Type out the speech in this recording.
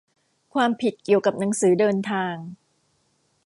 ความผิดเกี่ยวกับหนังสือเดินทาง